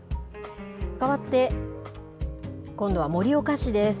変わって今度は盛岡市です。